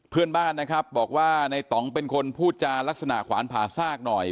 เพื่อนบ้านนะครับบอกว่าในต่องเป็นคนพูดจารักษณะขวานผ่าซากหน่อย